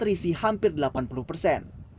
berisi hampir delapan puluh persen